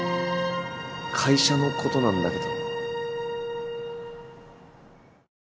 会社のことなんだけど。